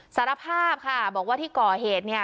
สารภาพค่ะบอกว่าที่ก่อเหตุเนี่ย